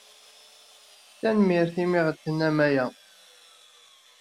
Tanemmirt i mi ɣ-d-tennamt aya.